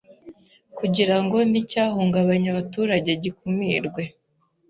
kugira ngo icyahungabanya abaturage gikumirwe